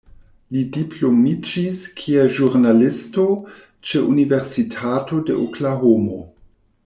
Li diplomiĝis kiel ĵurnalisto ĉe Universitato de Oklahomo.